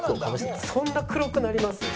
そんな黒くなります？